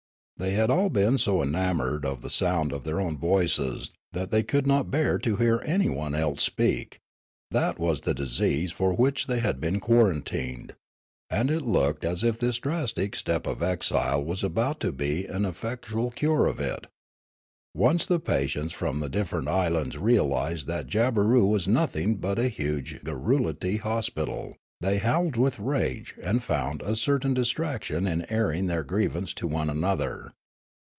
They had all been so enamoured of the sound of their own voices that they could not bear to hear anyone else speak ; that was the disease for which they had been quarantined; and it looked as if this drastic step of exile was about to be an effectual cure of it. 244 Jabberoo 245 Once the patients from the dijfferent islands realised that Jabberoo was nothing but a huge garrulity hospi tal, they howled with rage and found a certain distrac tion in airing their grievance to one another.